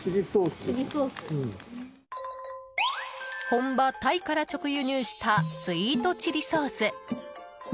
本場タイから直輸入したスイートチリソース。